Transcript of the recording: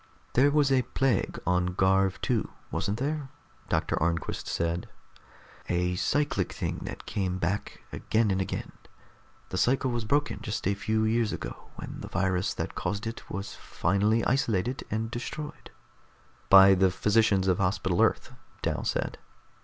"There was a plague on Garv II, wasn't there?" Doctor Arnquist said. "A cyclic thing that came back again and again. The cycle was broken just a few years ago, when the virus that caused it was finally isolated and destroyed." "By the physicians of Hospital Earth," Dal said.